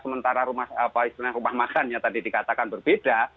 sementara rumah makannya tadi dikatakan berbeda